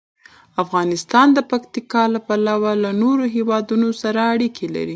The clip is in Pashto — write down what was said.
افغانستان د پکتیکا له پلوه له نورو هېوادونو سره اړیکې لري.